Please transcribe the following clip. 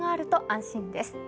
安心です。